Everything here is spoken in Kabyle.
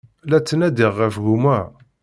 La ttnadiɣ ɣef gma.